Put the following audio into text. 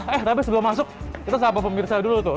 eh tapi sebelum masuk kita sapa pemirsa dulu tuh